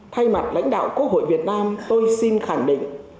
thay mặt lãnh đạo quốc hội việt nam tôi xin khẳng định